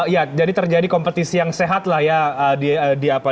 ya jadi terjadi kompetisi yang sehat lah ya